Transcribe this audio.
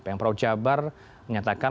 peng pro jabar menyatakan